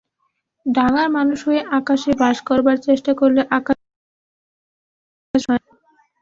ডাঙার মানুষ হয়ে আকাশে বাস করবার চেষ্টা করলে আকাশবিহারী দেবতার সয় না।